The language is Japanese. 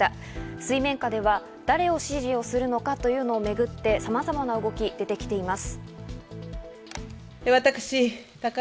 水面下では誰を支持するのかというのめぐって、さまざまな動きが出てきています。